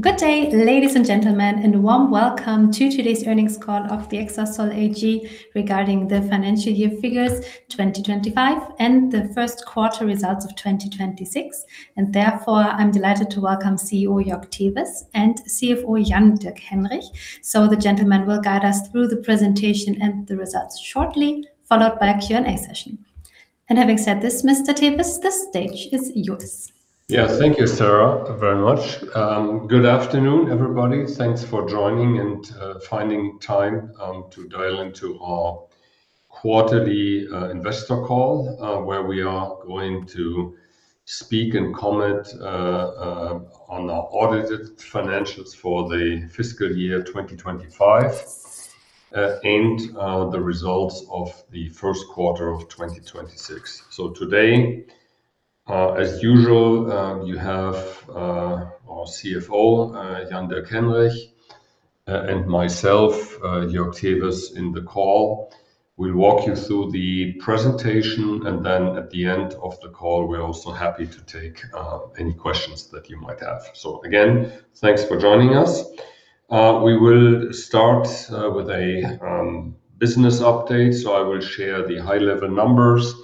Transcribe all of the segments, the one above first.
Good day, ladies and gentlemen, a warm Welcome to today's Earnings Call of Exasol AG regarding the Financial Year Figures 2025 and the First Quarter Results of 2026. Therefore, I'm delighted to welcome CEO Jörg Tewes and CFO Jan-Dirk Henrich. The gentlemen will guide us through the presentation and the results shortly, followed by a Q&A session. Having said this, Mr. Tewes, the stage is yours. Yeah. Thank you, Sarah, very much. Good afternoon, everybody. Thanks for joining and finding time to dial into our quarterly investor call, where we are going to speak and comment on our audited financials for the fiscal year 2025, and the results of the first quarter of 2026. Today, as usual, you have our CFO, Jan-Dirk Henrich, and myself, Jörg Tewes, in the call. We'll walk you through the presentation, and then at the end of the call, we're also happy to take any questions that you might have. Again, thanks for joining us. We will start with a business update. I will share the high-level numbers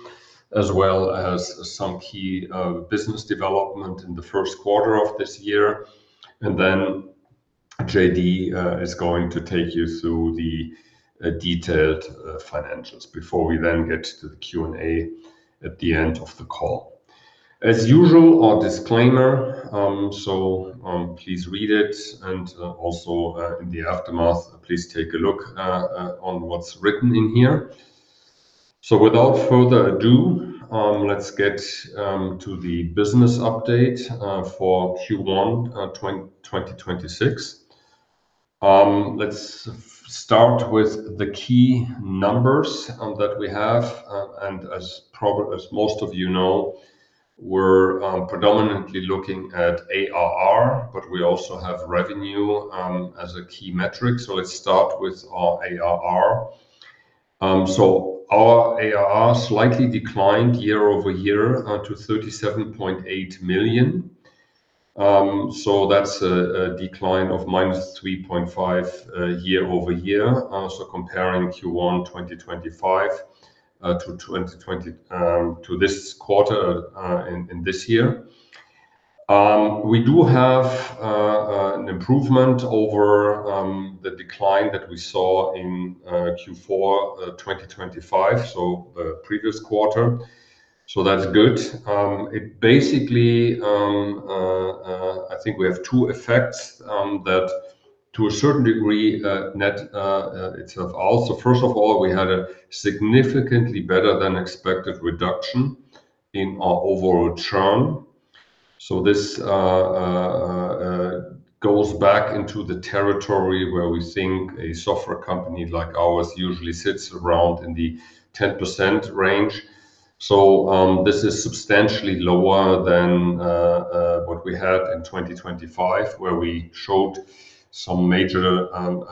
as well as some key business development in the first quarter of this year. JD is going to take you through the detailed financials before we then get to the Q&A at the end of the call. As usual, our disclaimer, please read it and also in the aftermath, please take a look on what's written in here. Without further ado, let's get to the business update for Q1 2026. Let's start with the key numbers that we have. As most of you know, we're predominantly looking at ARR, but we also have revenue as a key metric. Let's start with our ARR. Our ARR slightly declined year-over-year to 37.8 million. That's a decline of -3.5% year-over-year. Comparing Q1 2025 to 2020 to this quarter in this year. We do have an improvement over the decline that we saw in Q4 2025, so previous quarter, so that's good. It basically, I think we have two effects that to a certain degree net itself also. First of all, we had a significantly better than expected reduction in our overall churn. This goes back into the territory where we think a software company like ours usually sits around in the 10% range. This is substantially lower than what we had in 2025, where we showed some major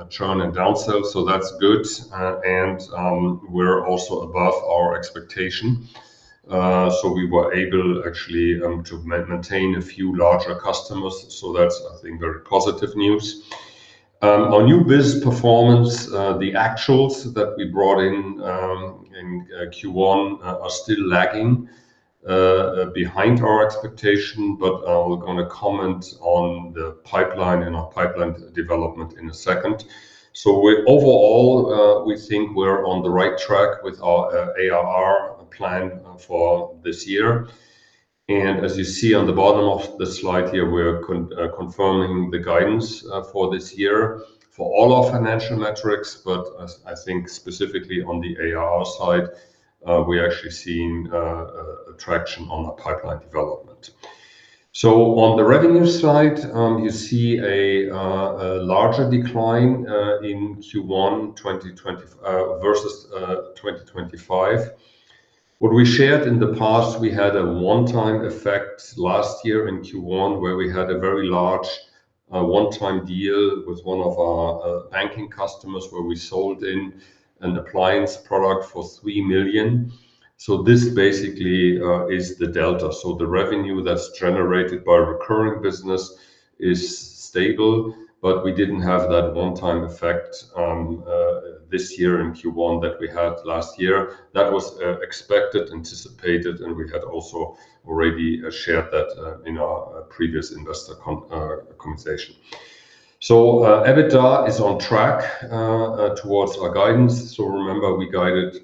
churn and down sales, so that's good. We're also above our expectation. We were able actually to maintain a few larger customers. That's, I think, very positive news. Our new biz performance, the actuals that we brought in Q1, are still lagging behind our expectation. We're gonna comment on the pipeline and our pipeline development in a second. Overall, we think we're on the right track with our ARR plan for this year. As you see on the bottom of the slide here, we're confirming the guidance for this year for all our financial metrics. As I think specifically on the ARR side, we're actually seeing traction on our pipeline development. On the revenue side, you see a larger decline in Q1 twenty-twenty f- versus 2025. What we shared in the past, we had a 1-time effect last year in Q1, where we had a very large 1-time deal with one of our banking customers where we sold in an appliance product for 3 million. This basically is the delta. The revenue that's generated by recurring business is stable, but we didn't have that 1-time effect this year in Q1 that we had last year. That was expected, anticipated, and we had also already shared that in our previous investor conversation. EBITDA is on track towards our guidance. Remember, we guided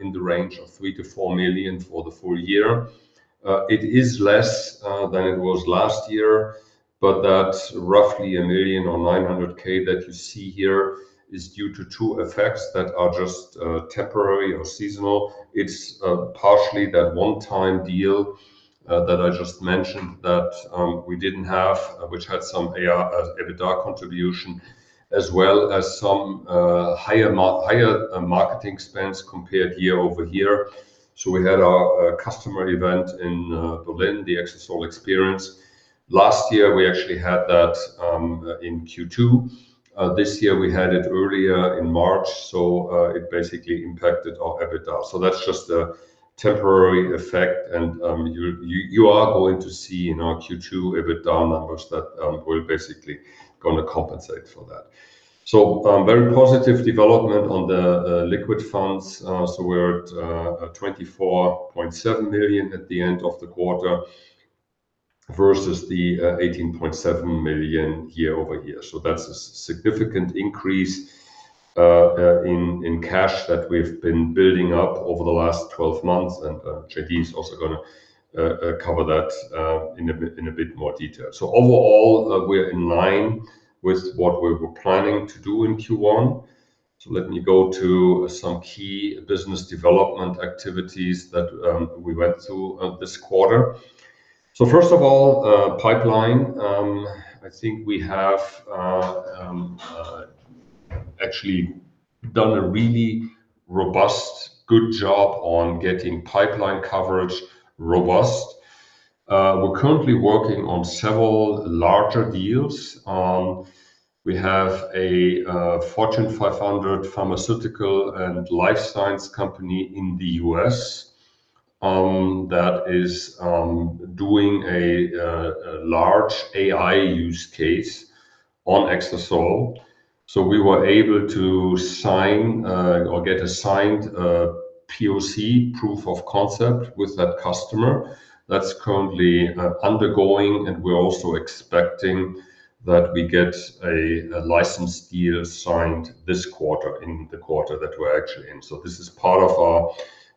in the range of 3 million-4 million for the full year. It is less than it was last year, but that roughly 1 million or 900K that you see here is due to two effects that are just temporary or seasonal. It's partially that one-time deal that I just mentioned that we didn't have, which had some ARR EBITDA contribution, as well as some higher marketing spends compared year-over-year. We had our customer event in Berlin, the Exasol Xperience. Last year, we actually had that in Q2. This year we had it earlier in March. It basically impacted our EBITDA. That's just a temporary effect and you are going to see in our Q2 EBITDA numbers that we're basically going to compensate for that. Very positive development on the liquid funds. We're at 24.7 million at the end of the quarter versus the 18.7 million year-over-year. That's a significant increase in cash that we've been building up over the last 12 months, and Jan-Dirk's also going to cover that in a bit more detail. Overall, we're in line with what we were planning to do in Q1. Let me go to some key business development activities that we went through this quarter. First of all, pipeline, I think we have actually done a really robust, good job on getting pipeline coverage robust. We're currently working on several larger deals. We have a Fortune 500 pharmaceutical and life science company in the U.S. that is doing a large AI use case on Exasol. We were able to sign or get a signed POC, proof of concept, with that customer. That's currently undergoing, and we're also expecting that we get a license deal signed this quarter, in the quarter that we're actually in. This is part of our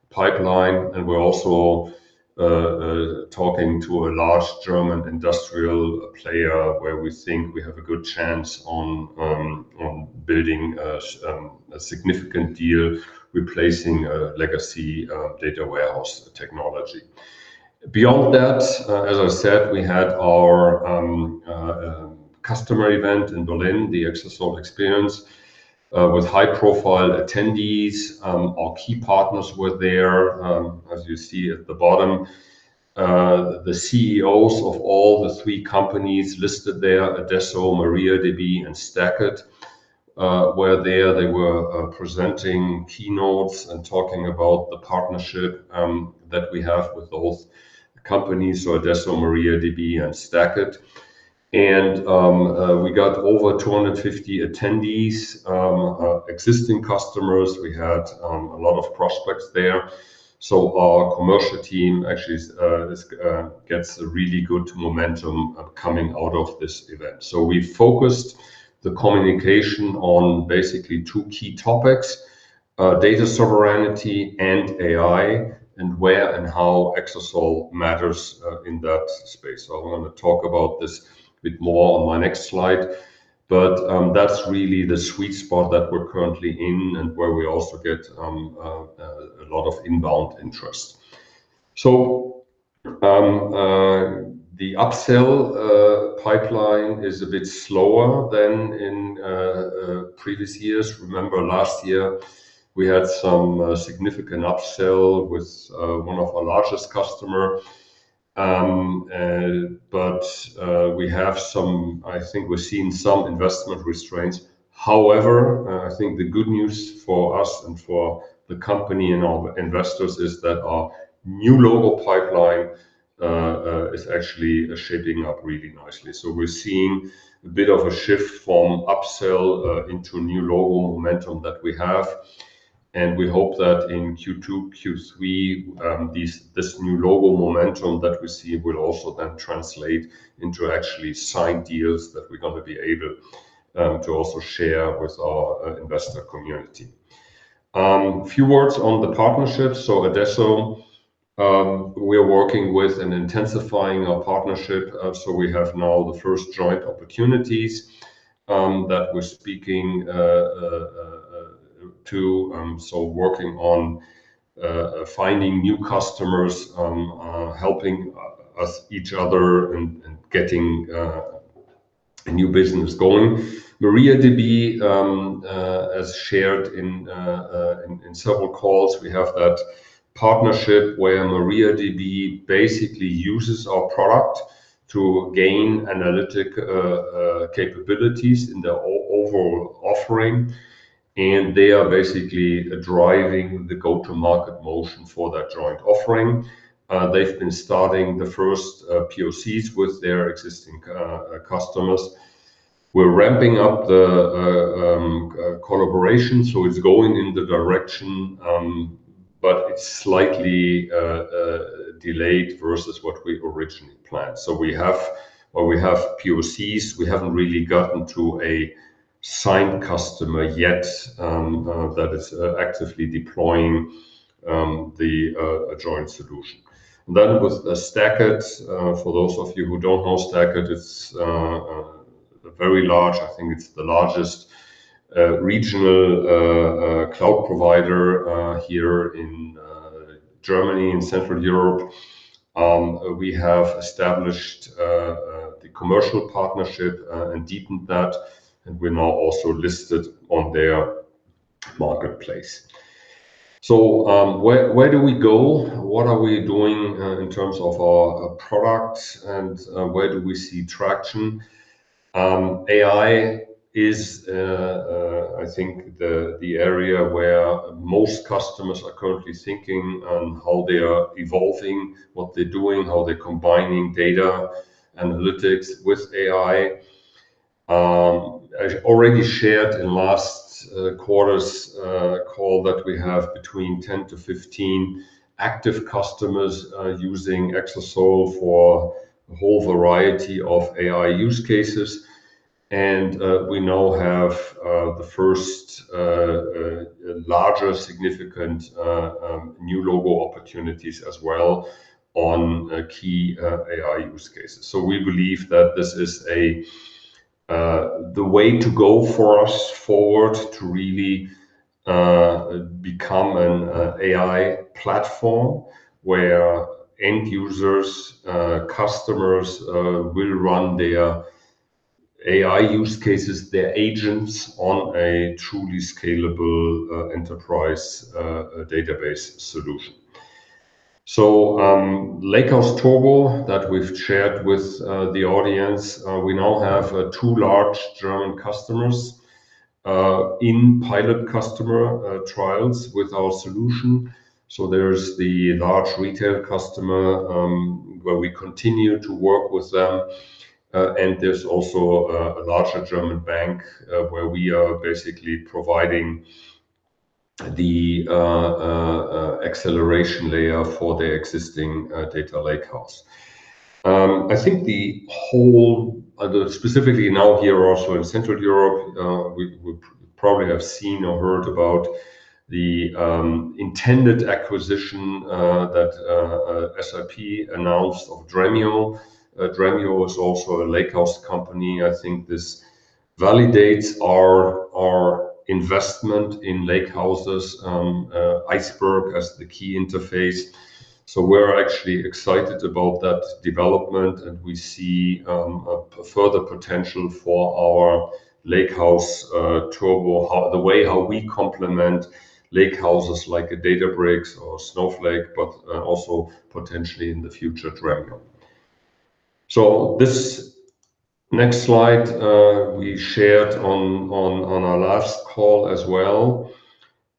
pipeline, and we're also talking to a large German industrial player where we think we have a good chance on building a significant deal replacing a legacy data warehouse technology. Beyond that, as I said, we had our customer event in Berlin, the Exasol Xperience with high-profile attendees. Our key partners were there, as you see at the bottom. The CEOs of all the 3 companies listed there, adesso, MariaDB, and STACKIT, were there. They were presenting keynotes and talking about the partnership that we have with those companies, so adesso, MariaDB and STACKIT. We got over 250 attendees, existing customers. We had a lot of prospects there. Our commercial team actually gets a really good momentum coming out of this event. We focused the communication on basically 2 key topics, data sovereignty and AI, and where and how Exasol matters in that space. I'm gonna talk about this a bit more on my next slide. That's really the sweet spot that we're currently in and where we also get a lot of inbound interest. The upsell pipeline is a bit slower than in previous years. Remember last year, we had some significant upsell with one of our largest customer. I think we're seeing some investment restraints. However, I think the good news for us and for the company and our investors is that our new logo pipeline is actually shaping up really nicely. We're seeing a bit of a shift from upsell into new logo momentum that we have. We hope that in Q2, Q3, this new logo momentum that we see will also then translate into actually signed deals that we're gonna be able to also share with our investor community. Few words on the partnerships. Adesso, we are working with and intensifying our partnership. We have now the first joint opportunities that we're speaking to. Working on finding new customers, helping each other and getting new business going. MariaDB, as shared in several calls, we have that partnership where MariaDB basically uses our product to gain analytic capabilities in their overall offering. They are basically driving the go-to-market motion for that joint offering. They've been starting the first POCs with their existing customers. We're ramping up the collaboration, so it's going in the direction, but it's slightly delayed versus what we originally planned. While we have POCs, we haven't really gotten to a signed customer yet that is actively deploying the joint solution. With STACKIT, for those of you who don't know STACKIT, it's a very large, I think it's the largest regional cloud provider here in Germany, in Central Europe. We have established the commercial partnership, and deepened that, and we're now also listed on their marketplace. Where do we go? What are we doing in terms of our product and where do we see traction? AI is, I think the area where most customers are currently thinking on how they are evolving, what they're doing, how they're combining data analytics with AI. I already shared in last quarter's call that we have between 10 to 15 active customers using Exasol for a whole variety of AI use cases. We now have the first larger significant new logo opportunities as well on key AI use cases. We believe that this is the way to go for us forward to really become an AI platform where end users, customers will run their AI use cases, their agents on a truly scalable enterprise database solution. Lakehouse Turbo that we've shared with the audience, we now have two large German customers in pilot customer trials with our solution. [So, there is the large retail customer what we will continue to work with that]. There's also a larger German bank, where we are basically providing the acceleration layer for their existing data lakehouse. I think specifically now here also in Central Europe, we probably have seen or heard about the intended acquisition that SAP announced of Dremio. Dremio is also a lakehouse company. I think this validates our investment in lakehouses, Apache Iceberg as the key interface. We're actually excited about that development, and we see a further potential for our Lakehouse Turbo, the way how we complement lakehouses like a Databricks or Snowflake, but also potentially in the future, Dremio. This next slide, we shared on our last call as well.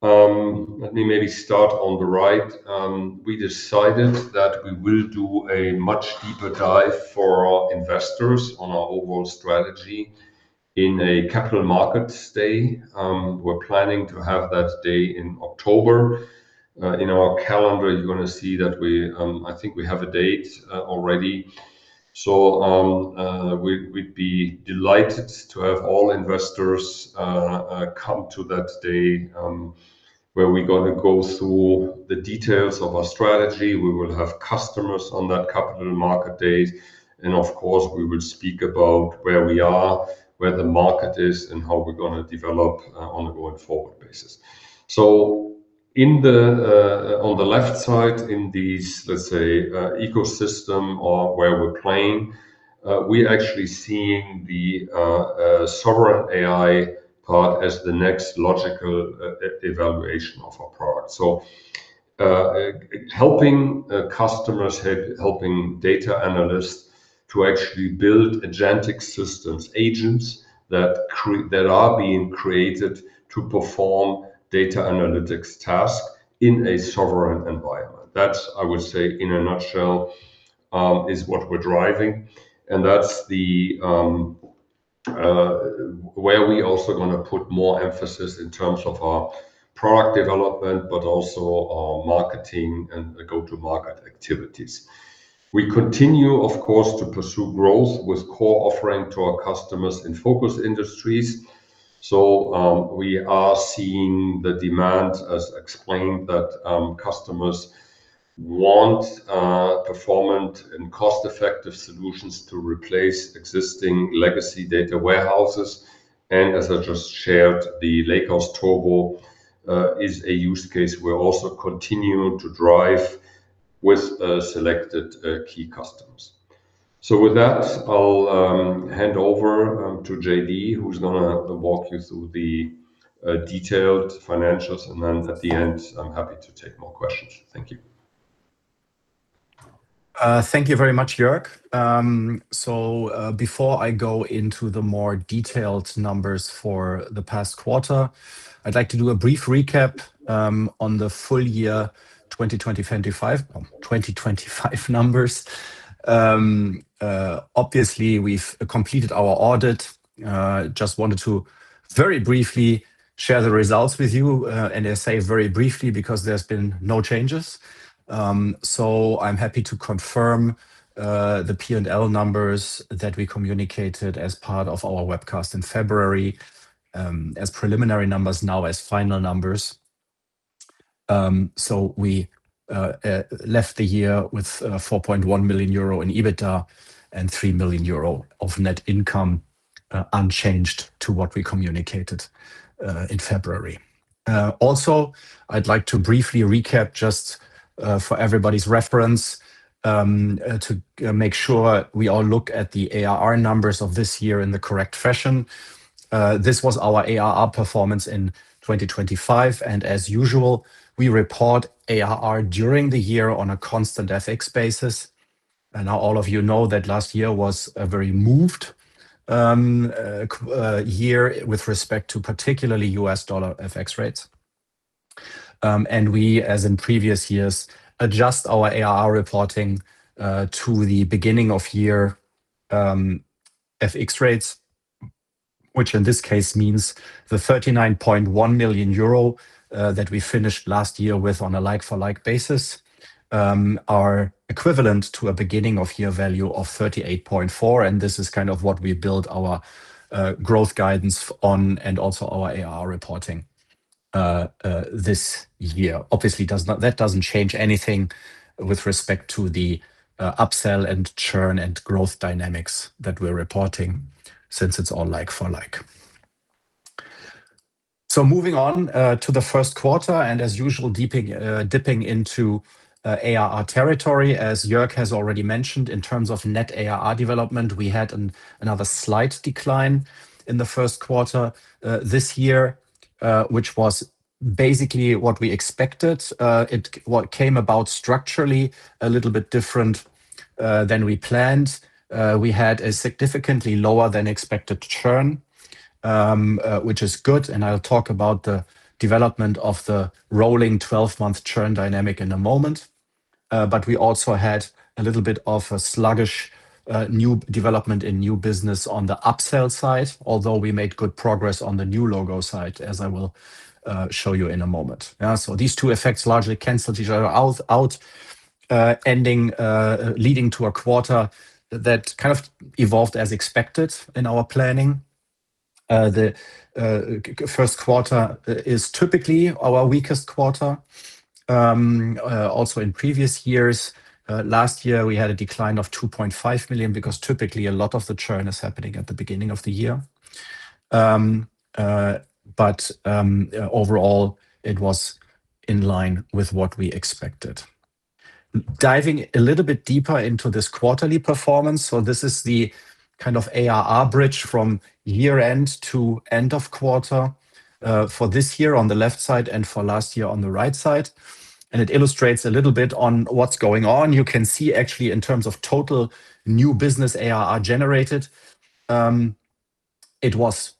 Let me maybe start on the right. We decided that we will do a much deeper dive for our investors on our overall strategy in a capital market day. We're planning to have that day in October. In our calendar, you're gonna see that we, I think we have a date already. We'd be delighted to have all investors come to that day, where we're gonna go through the details of our strategy. We will have customers on that capital market date, and of course, we will speak about where we are, where the market is, and how we're gonna develop on a going-forward basis. In the on the left side, in these, let's say, ecosystem or where we're playing, we're actually seeing the sovereign AI part as the next logical evaluation of our product. Helping customers, helping data analysts to actually build agentic systems, agents that are being created to perform data analytics task in a sovereign environment. That's, I would say, in a nutshell, is what we're driving, and that's the where we're also gonna put more emphasis in terms of our product development, but also our marketing and go-to-market activities. We continue, of course, to pursue growth with core offering to our customers in focus industries. We are seeing the demand, as explained, that customers want performant and cost-effective solutions to replace existing legacy data warehouses. As I just shared, the Lakehouse Turbo is a use case we're also continuing to drive with selected key customers. With that, I'll hand over to JD, who's going to walk you through the detailed financials. Then at the end, I'm happy to take more questions. Thank you. Thank you very much, Jörg. Before I go into the more detailed numbers for the past quarter, I'd like to do a brief recap on the full year 2025 numbers. Obviously, we've completed our audit. Just wanted to very briefly share the results with you, and I say very briefly because there's been no changes. I'm happy to confirm the P&L numbers that we communicated as part of our webcast in February as preliminary numbers now as final numbers. We left the year with 4.1 million euro in EBITDA and 3 million euro of net income, unchanged to what we communicated in February. Also I'd like to briefly recap just for everybody's reference, to make sure we all look at the ARR numbers of this year in the correct fashion. This was our ARR performance in 2025, as usual, we report ARR during the year on a constant FX basis. Now all of you know that last year was a very moved year with respect to particularly US dollar FX rates. We, as in previous years, adjust our ARR reporting to the beginning of year FX rates, which in this case means the 39.1 million euro that we finished last year with on a like-for-like basis are equivalent to a beginning of year value of 38.4 million, and this is kind of what we build our growth guidance on and also our ARR reporting this year. That doesn't change anything with respect to the upsell and churn and growth dynamics that we're reporting since it's all like-for-like. Moving on to the first quarter, and as usual, dipping into ARR territory. As Jörg has already mentioned, in terms of net ARR development, we had another slight decline in the first quarter this year, which was basically what we expected. What came about structurally a little bit different than we planned. We had a significantly lower than expected churn, which is good, and I'll talk about the development of the rolling 12-month churn dynamic in a moment. We also had a little bit of a sluggish new development in new business on the upsell side, although we made good progress on the new logo side, as I will show you in a moment. These two effects largely canceled each other out, ending leading to a quarter that kind of evolved as expected in our planning. The first quarter is typically our weakest quarter. Also in previous years, last year, we had a decline of 2.5 million because typically a lot of the churn is happening at the beginning of the year. Overall, it was in line with what we expected. Diving a little bit deeper into this quarterly performance, this is the kind of ARR bridge from year-end to end of quarter for this year on the left side and for last year on the right side. It illustrates a little bit on what's going on. You can see actually in terms of total new business ARR generated, it was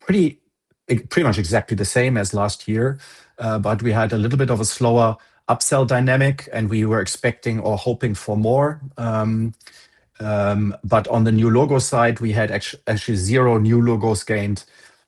pretty much exactly the same as last year. We had a little bit of a slower upsell dynamic, and we were expecting or hoping for more. On the new logo side, we had actually 0 new logos gained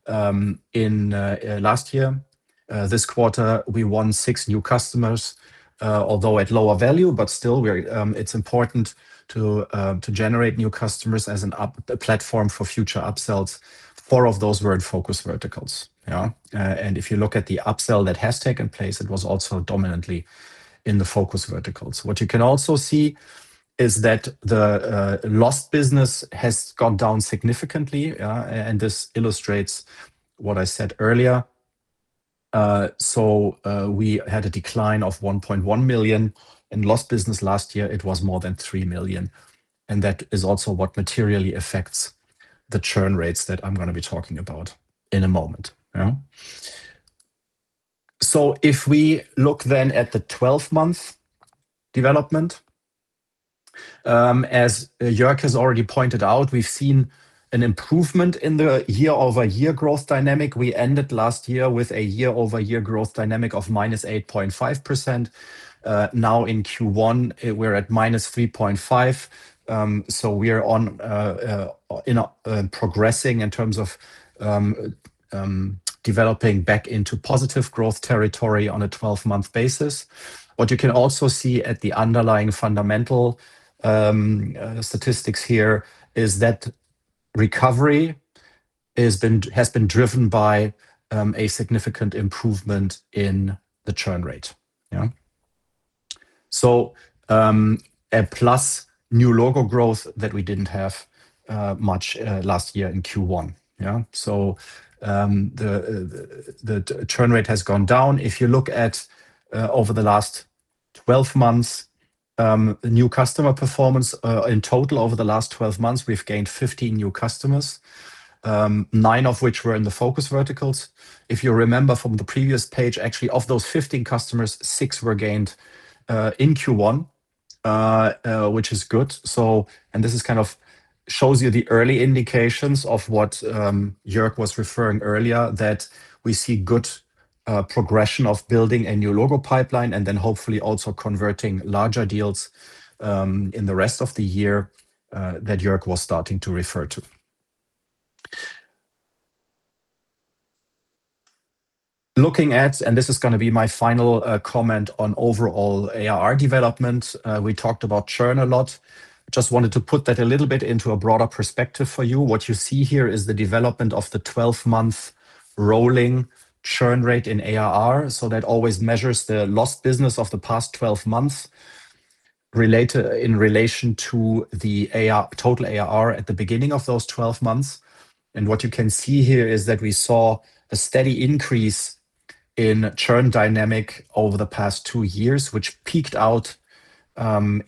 last year. This quarter, we won 6 new customers, although at lower value. Still we're, it's important to generate new customers as a platform for future upsells. 4 of those were in focus verticals. Yeah. If you look at the upsell that has taken place, it was also dominantly in the focus verticals. What you can also see is that the lost business has gone down significantly, and this illustrates what I said earlier. We had a decline of 1.1 million in lost business. Last year, it was more than 3 million, and that is also what materially affects the churn rates that I'm gonna be talking about in a moment. Yeah? If we look then at the twelve-month development, as Jörg has already pointed out, we've seen an improvement in the year-over-year growth dynamic. We ended last year with a year-over-year growth dynamic of minus 8.5%. Now in Q1, we're at -3.5%. We are progressing in terms of developing back into positive growth territory on a twelve-month basis. What you can also see at the underlying fundamental statistics here is that recovery has been driven by a significant improvement in the churn rate. A plus new logo growth that we didn't have much last year in Q1. The churn rate has gone down. If you look at over the last 12 months, new customer performance in total over the last 12 months, we've gained 15 new customers, 9 of which were in the focus verticals. If you remember from the previous page, actually of those 15 customers, 6 were gained in Q1, which is good. This is kind of shows you the early indications of what Jörg was referring earlier, that we see good progression of building a new logo pipeline and then hopefully also converting larger deals in the rest of the year that Jörg was starting to refer to. Looking at, this is gonna be my final comment on overall ARR development. We talked about churn a lot. Just wanted to put that a little bit into a broader perspective for you. What you see here is the development of the 12-month rolling churn rate in ARR. That always measures the lost business of the past 12 months related, in relation to the total ARR at the beginning of those 12 months. What you can see here is that we saw a steady increase in churn dynamic over the past 2 years, which peaked out in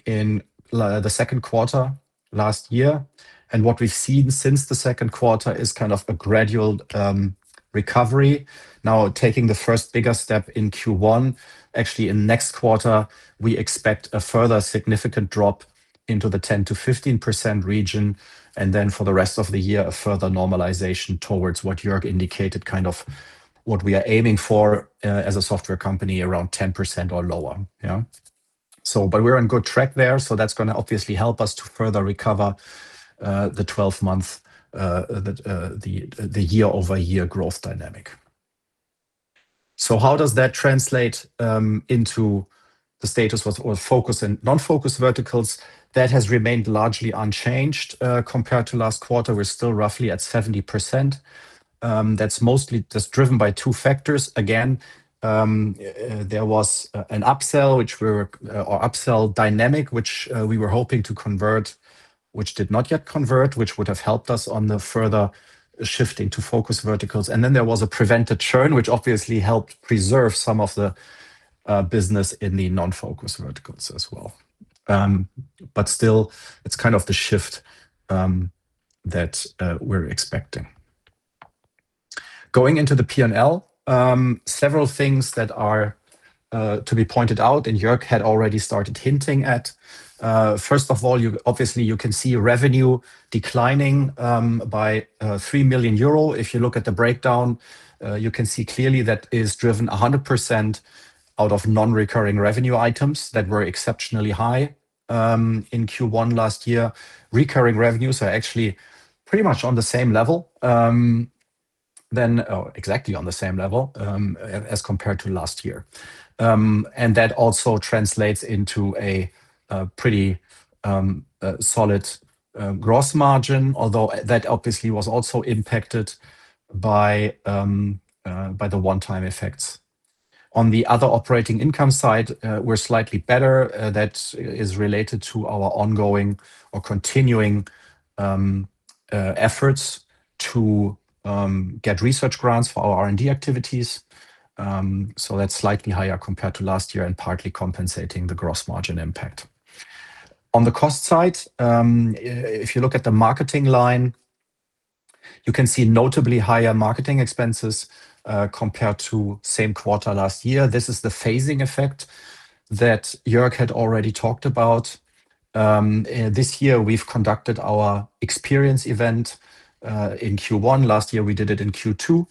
the second quarter last year. What we've seen since the second quarter is kind of a gradual recovery. Now taking the 1st bigger step in Q1. Actually, in next quarter, we expect a further significant drop into the 10%-15% region, and then for the rest of the year, a further normalization towards what Jörg indicated, kind of what we are aiming for as a software company, around 10% or lower. Yeah. But we're on good track there, so that's gonna obviously help us to further recover the 12-month year-over-year growth dynamic. How does that translate into the status with all focus and non-focus verticals? That has remained largely unchanged compared to last quarter. We're still roughly at 70%. That's mostly just driven by 2 factors. Again, there was an upsell or upsell dynamic, which we were hoping to convert, which did not yet convert, which would have helped us on the further shifting to focus verticals. There was a prevented churn, which obviously helped preserve some of the business in the non-focus verticals as well. Still, it's kind of the shift that we're expecting. Going into the P&L, several things that are to be pointed out, Jörg had already started hinting at. First of all, obviously, you can see revenue declining by 3 million euro. If you look at the breakdown, you can see clearly that is driven 100 out of non-recurring revenue items that were exceptionally high in Q1 last year. Recurring revenues are actually pretty much on the same level, or exactly on the same level, as compared to last year. That also translates into a pretty solid gross margin, although that obviously was also impacted by the one-time effects. On the other operating income side, we're slightly better. That is related to our ongoing or continuing efforts to get research grants for our R&D activities. That's slightly higher compared to last year and partly compensating the gross margin impact. On the cost side, if you look at the marketing line, you can see notably higher marketing expenses compared to same quarter last year. This is the phasing effect that Jörg had already talked about. This year we've conducted our Exasol Xperience event in Q1. Last year, we did it in Q2.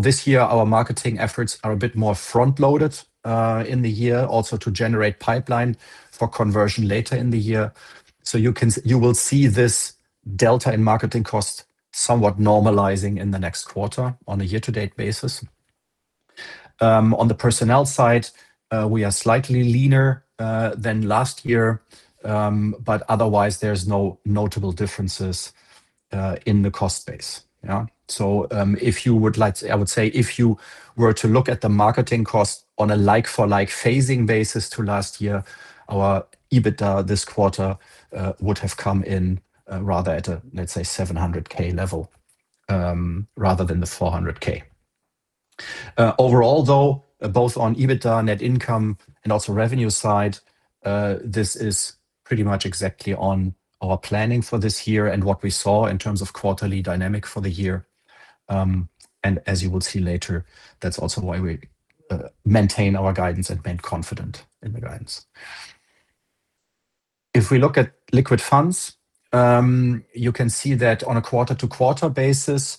This year our marketing efforts are a bit more front-loaded in the year also to generate pipeline for conversion later in the year. You will see this delta in marketing costs somewhat normalizing in the next quarter on a year-to-date basis. On the personnel side, we are slightly leaner than last year, but otherwise there's no notable differences in the cost base. If you would like to if you were to look at the marketing cost on a like for like phasing basis to last year, our EBITDA this quarter would have come in rather at a, let's say, 700K level, rather than the 400K. Overall, though, both on EBITDA, net income, and also revenue side, this is pretty much exactly on our planning for this year and what we saw in terms of quarterly dynamic for the year. As you will see later, that's also why we maintain our guidance and remain confident in the guidance. If we look at liquid funds, you can see that on a quarter-to-quarter basis,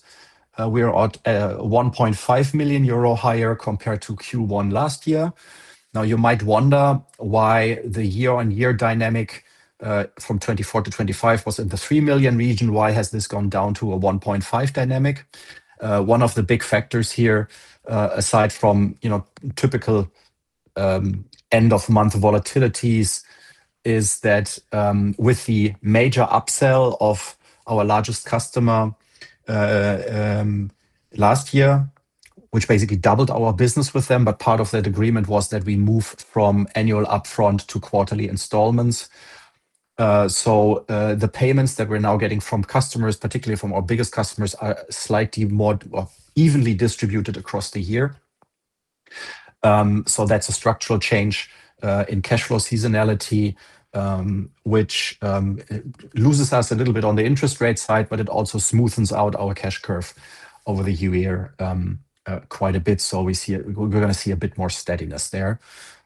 we are at 1.5 million euro higher compared to Q1 last year. You might wonder why the year-on-year dynamic from 2024 to 2025 was in the 3 million region. Why has this gone down to a 1.5 dynamic? One of the big factors here, aside from, you know, typical end-of-month volatilities is that, with the major upsell of our largest customer last year, which basically doubled our business with them, but part of that agreement was that we moved from annual upfront to quarterly installments. The payments that we're now getting from customers, particularly from our biggest customers, are slightly more, well, evenly distributed across the year. That's a structural change in cash flow seasonality, which loses us a little bit on the interest rate side, but it also smoothens out our cash curve over the year quite a bit. We're gonna see a bit more steadiness there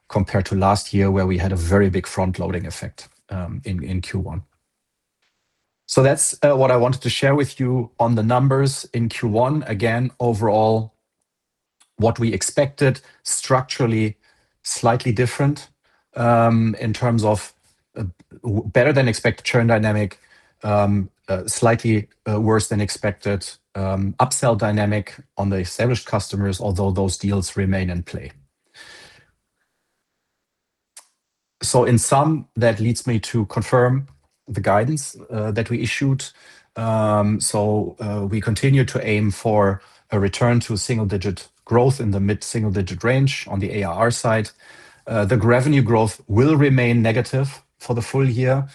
compared to last year where we had a very big front-loading effect in Q1. That's what I wanted to share with you on the numbers in Q1. Again, overall, what we expected structurally slightly different, in terms of better than expected churn dynamic, slightly worse than expected, upsell dynamic on the established customers, although those deals remain in play. In sum, that leads me to confirm the guidance that we issued. We continue to aim for a return to single-digit growth in the mid-single digit range on the ARR side. The revenue growth will remain negative for the full year,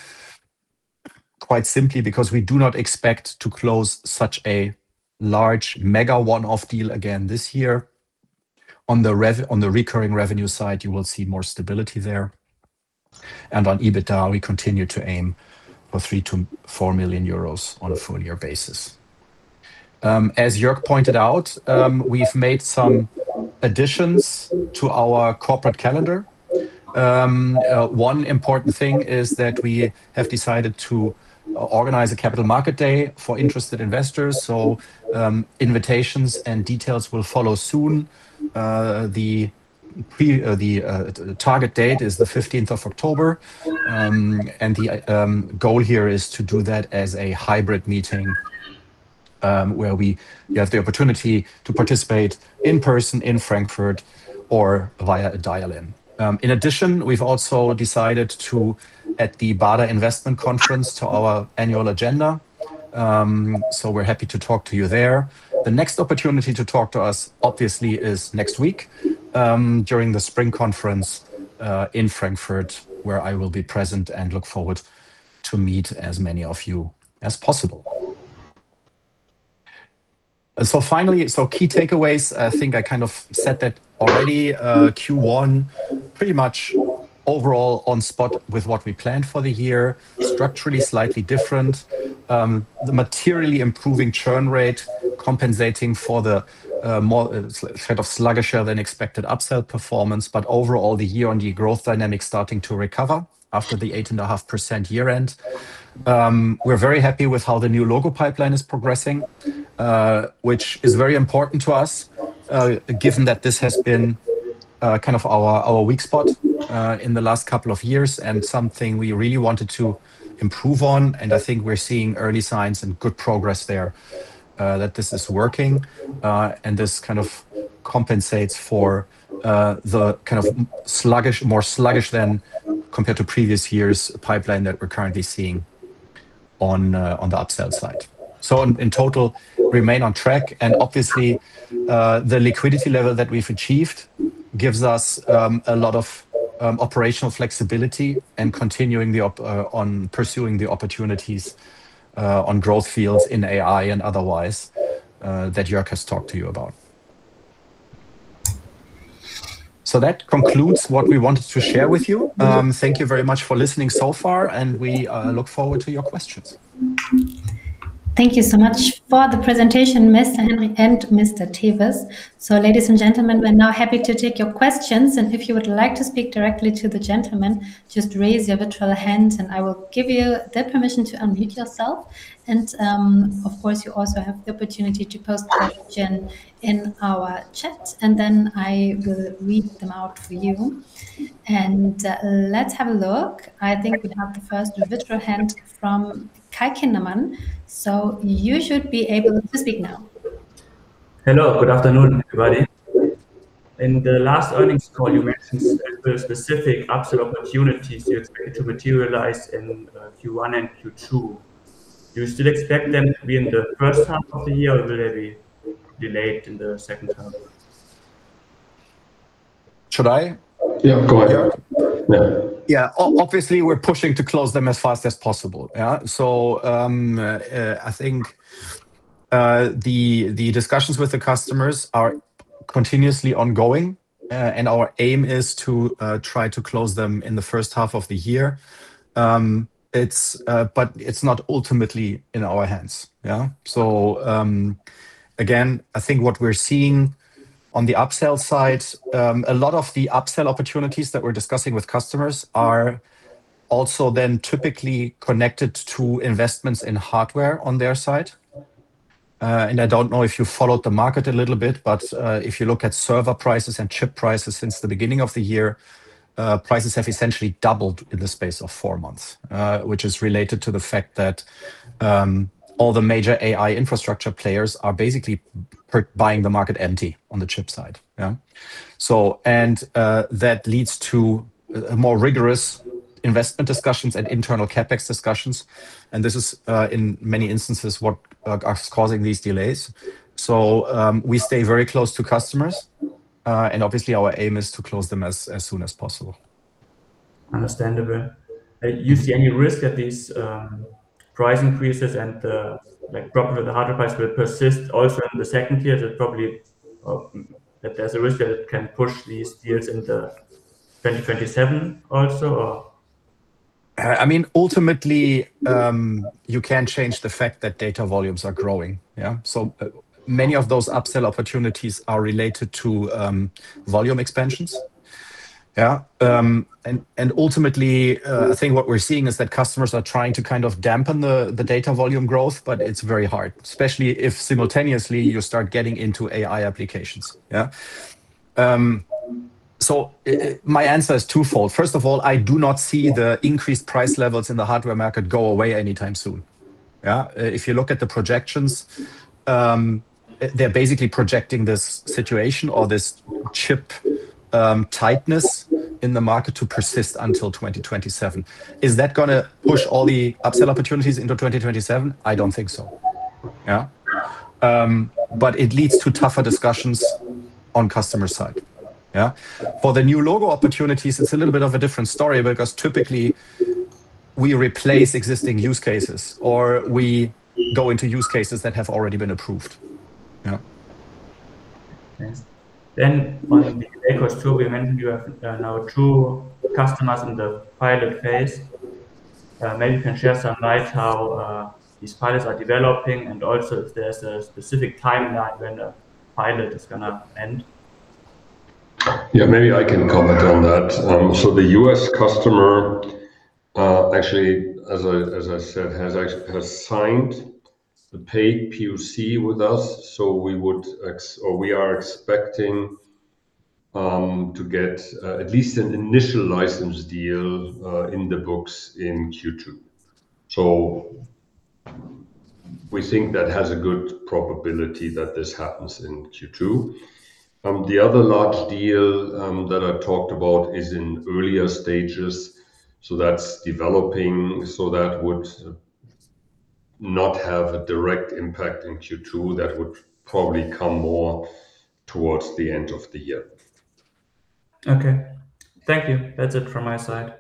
quite simply because we do not expect to close such a large mega one-off deal again this year. On the recurring revenue side, you will see more stability there. On EBITDA, we continue to aim for 3 million-4 million euros on a full year basis. As Jörg pointed out, we've made some additions to our corporate calendar. One important thing is that we have decided to organize a capital market day for interested investors. Invitations and details will follow soon. The target date is the 15th of October. The goal here is to do that as a hybrid meeting, where you have the opportunity to participate in person in Frankfurt or via a dial-in. In addition, we've also decided to add the Baader Investment Conference to our annual agenda. We're happy to talk to you there. The next opportunity to talk to us, obviously, is next week, during the spring conference in Frankfurt, where I will be present and look forward to meet as many of you as possible. Finally, key takeaways, I think I kind of said that already. Q1, pretty much overall on spot with what we planned for the year. Structurally slightly different. The materially improving churn rate compensating for the more kind of sluggish than expected upsell performance. Overall, the year-on-year growth dynamic starting to recover after the 8.5% year end. We're very happy with how the new logo pipeline is progressing, which is very important to us, given that this has been kind of our weak spot in the last couple of years, and something we really wanted to improve on, and I think we're seeing early signs and good progress there that this is working. This kind of compensates for the kind of sluggish, more sluggish than compared to previous years pipeline that we're currently seeing on the upsell side. In total, remain on track and obviously, the liquidity level that we've achieved gives us a lot of operational flexibility and continuing on pursuing the opportunities on growth fields in AI and otherwise that Jörg has talked to you about. That concludes what we wanted to share with you. Thank you very much for listening so far, and we look forward to your questions. Thank you so much for the presentation, Mr. Henrich and Mr. Tewes. Ladies and gentlemen, we're now happy to take your questions, and if you would like to speak directly to the gentlemen, just raise your virtual hand and I will give you the permission to unmute yourself. Of course, you also have the opportunity to post the question in our chat, and then I will read them out for you. Let's have a look. I think we have the first virtual hand from Kai Kindermann, so you should be able to speak now. Hello. Good afternoon, everybody. In the last earnings call, you mentioned the specific upsell opportunities you expect to materialize in Q1 and Q2. Do you still expect them to be in the first half of the year, or will they be delayed to the second half? Should I? Yeah, go ahead. Obviously, we're pushing to close them as fast as possible, yeah? I think the discussions with the customers are continuously ongoing, and our aim is to try to close them in the first half of the year. It's not ultimately in our hands, yeah? Again, I think what we're seeing on the upsell side, a lot of the upsell opportunities that we're discussing with customers are also then typically connected to investments in hardware on their side. I don't know if you followed the market a little bit, but if you look at server prices and chip prices since the beginning of the year, prices have essentially doubled in the space of four months. Which is related to the fact that all the major AI infrastructure players are basically buying the market empty on the chip side. That leads to more rigorous investment discussions and internal CapEx discussions, and this is in many instances what is causing these delays. We stay very close to customers, and obviously our aim is to close them as soon as possible. Understandable. You see any risk that these price increases and the, like, drop in the hardware price will persist also in the second year? That probably, there's a risk that it can push these years into 2027 also or? I mean, ultimately, you can't change the fact that data volumes are growing. Many of those upsell opportunities are related to volume expansions. Ultimately, I think what we're seeing is that customers are trying to kind of dampen the data volume growth, but it's very hard, especially if simultaneously you start getting into AI applications. My answer is twofold. First of all, I do not see the increased price levels in the hardware market go away anytime soon. If you look at the projections, they're basically projecting this situation or this chip tightness in the market to persist until 2027. Is that gonna push all the upsell opportunities into 2027? I don't think so. It leads to tougher discussions on customer side. For the new logo opportunities, it is a little bit of a different story because typically we replace existing use cases, or we go into use cases that have already been approved, yeah. Thanks. On the Lakehouse Turbo, we mentioned you have now 2 customers in the pilot phase. Maybe you can share some light how these pilots are developing and also if there's a specific timeline when the pilot is gonna end. Yeah, maybe I can comment on that. The U.S. customer, actually as I said, has signed the paid POC with us, so we are expecting to get at least an initial license deal in the books in Q2. We think that has a good probability that this happens in Q2. The other large deal that I talked about is in earlier stages, so that's developing. That would not have a direct impact in Q2. That would probably come more towards the end of the year. Okay. Thank you. That's it from my side.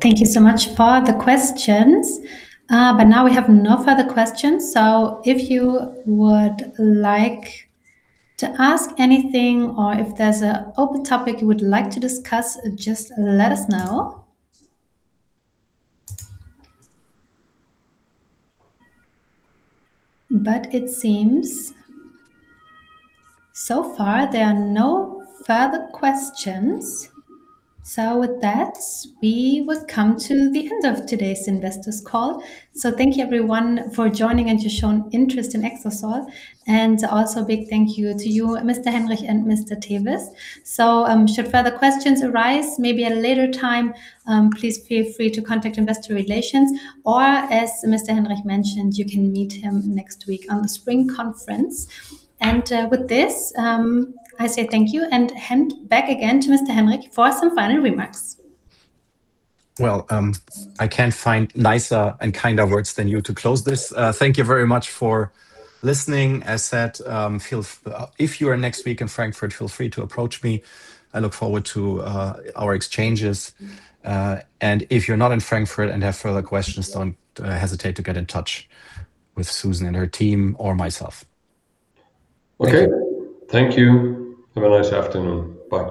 Thank you so much for the questions. Now we have no further questions. If you would like to ask anything or if there's an open topic you would like to discuss, just let us know. It seems so far there are no further questions. With that, we would come to the end of today's investors call. Thank you everyone for joining and to shown interest in Exasol, and also a big thank you to you, Mr. Henrich and Mr. Tewes. Should further questions arise maybe at a later time, please feel free to contact investor relations, or as Mr. Henrich mentioned, you can meet him next week on the Spring Conference. With this, I say thank you and hand back again to Mr. Henrich for some final remarks. I can't find nicer and kinder words than you to close this. Thank you very much for listening. As said, if you are next week in Frankfurt, feel free to approach me. I look forward to our exchanges. If you're not in Frankfurt and have further questions, don't hesitate to get in touch with Susan and her team or myself. Okay. Thank you. Have a nice afternoon. Bye-bye.